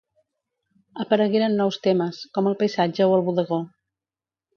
Aparegueren nous temes, com el paisatge o el bodegó.